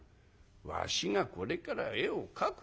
「わしがこれから絵を描くのだ。